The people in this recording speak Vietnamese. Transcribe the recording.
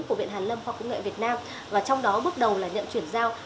của viện hàn lâm khoa công nghệ việt nam và trong đó bước đầu là nhận chuyển giao